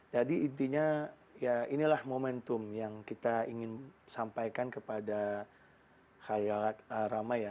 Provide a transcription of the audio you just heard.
jadi intinya inilah momentum yang kita ingin sampaikan kepada khayalan ramai ya